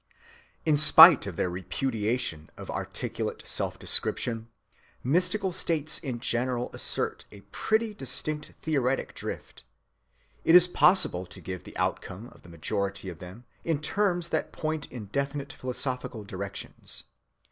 In spite of their repudiation of articulate self‐description, mystical states in general assert a pretty distinct theoretic drift. It is possible to give the outcome of the majority of them in terms that point in definite philosophical directions.